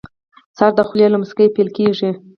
سهار د خولې له موسکۍ پیل کېږي.